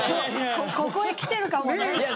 ここへ来てるかもね。